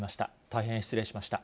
大変失礼しました。